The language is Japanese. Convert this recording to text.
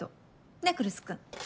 ねぇ来栖君。